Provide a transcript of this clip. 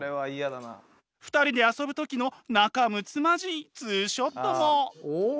２人で遊ぶ時の仲むつまじい２ショットも。